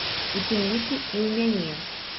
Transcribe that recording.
У тым ліку і ў мяне.